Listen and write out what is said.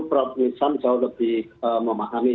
prof nisan jauh lebih memahami